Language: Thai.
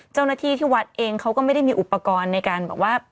เจ้าหน้าที่ที่วัดเองเขาก็ไม่ได้มีอุปกรณ์ในการแบบว่า